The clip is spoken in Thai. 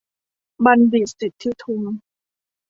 บัณฑิต สิทธิทุม